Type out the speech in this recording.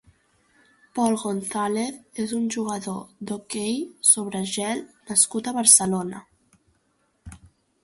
Pol González és un jugador d'hoquei sobre gel nascut a Barcelona.